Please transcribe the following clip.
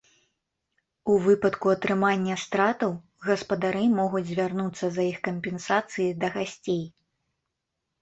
У выпадку атрымання стратаў, гаспадары могуць звярнуцца за іх кампенсацыяй да гасцей.